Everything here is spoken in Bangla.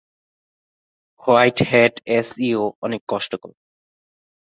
White hat S E O অনেক কষ্টকর।